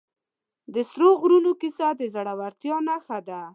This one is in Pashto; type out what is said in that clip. د سرو غرونو کیسه د زړورتیا نښه ده.